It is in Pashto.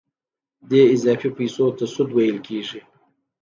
دې اضافي پیسو ته سود ویل کېږي